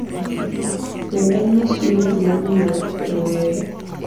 We anyisue gimomiyo rowere